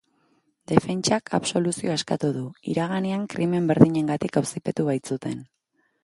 Defentsak absoluzioa eskatu du, iraganean krimen berdinengatik auzipetu baitzuten.